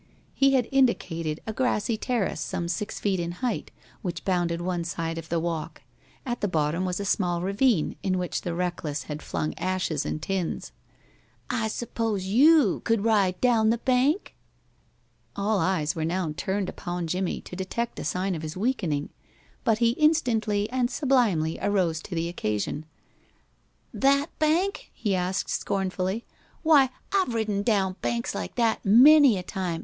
He had indicated a grassy terrace some six feet in height which bounded one side of the walk. At the bottom was a small ravine in which the reckless had flung ashes and tins. "I s'pose you could ride down that bank?" [Illustration: "'I ' HE BEGAN. THEN HE VANISHED FROM THE EDGE OF THE WALK."] All eyes now turned upon Jimmie to detect a sign of his weakening, but he instantly and sublimely arose to the occasion. "That bank?" he asked, scornfully. "Why, I've ridden down banks like that many a time.